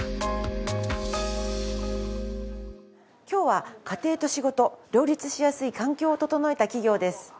今日は家庭と仕事両立しやすい環境を整えた企業です。